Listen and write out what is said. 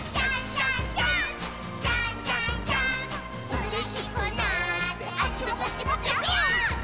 「うれしくなってあっちもこっちもぴょぴょーん」